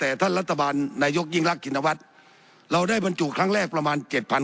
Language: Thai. แต่ท่านรัฐบาลนายกยิ่งรักชินวัฒน์เราได้บรรจุครั้งแรกประมาณเจ็ดพัน